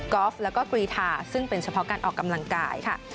อล์ฟแล้วก็กรีธาซึ่งเป็นเฉพาะการออกกำลังกายค่ะ